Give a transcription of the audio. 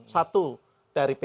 satu dari p tiga